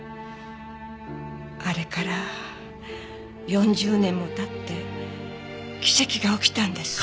あれから４０年も経って奇跡が起きたんです。